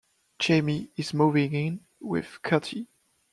Jamie is moving in with Cathy.